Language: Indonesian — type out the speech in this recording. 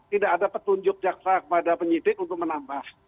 tidak ada petunjuk jaksa kepada penyidik untuk menambah